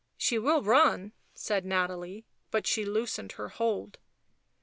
" She will run," said Nathalie, but she loosened her hold.